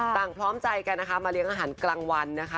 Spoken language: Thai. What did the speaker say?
พร้อมใจกันนะคะมาเลี้ยงอาหารกลางวันนะคะ